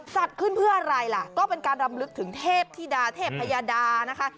จัดขึ้นเพื่ออะไรล่ะก็เป็นการรำลึกถึงเทพธิดาเทพยดานะคะ